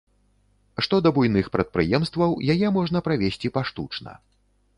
Што да буйных прадпрыемстваў, яе можна правесці паштучна.